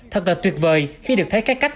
thật là tuyệt vời khi được thấy các cách